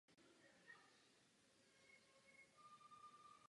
Obsahem zprávy jsou tři požadavky, které bych chtěl obzvlášť zdůraznit.